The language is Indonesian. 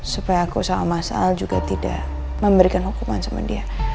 supaya aku sama mas al juga tidak memberikan hukuman sama dia